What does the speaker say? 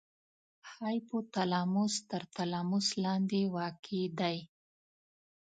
هایپو تلاموس تر تلاموس لاندې واقع دی.